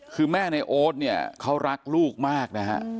คือแม่ในโอ๊ตเนี่ยเขารักลูกมากนะฮะ